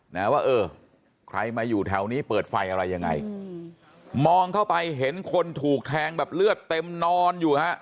นะว่าเออใครมาอยู่แถวนี้เปิดไฟอะไรยังไงอืมมองเข้าไปเห็นคนถูกแทงแบบเลือดเต็มนอนอยู่ฮะ